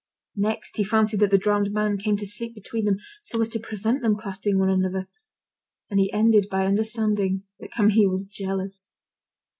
Next he fancied that the drowned man came to sleep between them so as to prevent them clasping one another, and he ended by understanding that Camille was jealous.